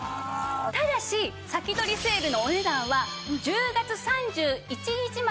ただし先取りセールのお値段は１０月３１日までとなっています。